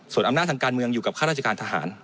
ส่วนอำนาจทางการเมืองอยู่กับข้าราชการทหาร